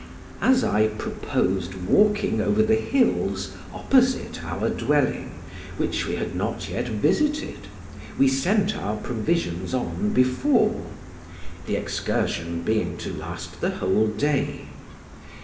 As I proposed walking over the hills opposite our dwelling, which we had not yet visited, we sent our provisions on before; the excursion being to last the whole day.